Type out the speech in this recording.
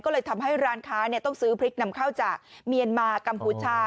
ก็เลยทำให้ร้านค้าต้องซื้อพริกนำเข้าจากเมียนมากัมพูชา